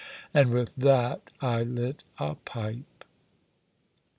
And with that I lit a pipe.